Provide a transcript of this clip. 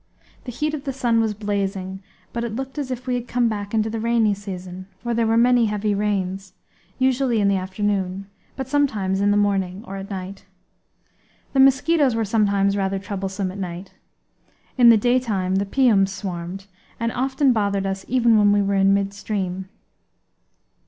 The heat of the sun was blazing; but it looked as if we had come back into the rainy season, for there were many heavy rains, usually in the afternoon, but sometimes in the morning or at night. The mosquitoes were sometimes rather troublesome at night. In the daytime the piums swarmed, and often bothered us even when we were in midstream.